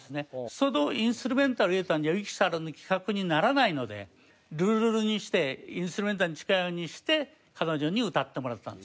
そのインストゥルメンタル入れたんでは由紀さおりの企画にならないのでルールルにしてインストゥルメンタルに近いようにして彼女に歌ってもらったんですね。